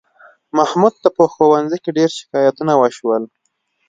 محمود ته په ښوونځي کې ډېر شکایتونه وشول